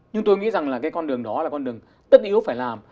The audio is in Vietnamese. nhưng tôi nghĩ rằng là cái con đường đó là con đường tất yếu phải làm